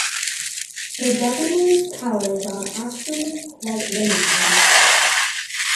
The governor's powers are actually quite limited.